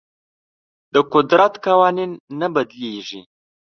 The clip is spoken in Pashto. د قدرت قوانین نه بدلیږي.